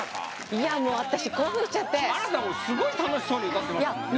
いやもう私興奮しちゃってあなたもすごい楽しそうに歌ってましたもんねいや